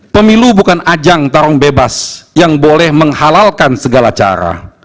pemilu bukan ajang tarung bebas yang boleh menghalalkan segala cara